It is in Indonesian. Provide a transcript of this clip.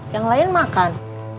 yang lain makan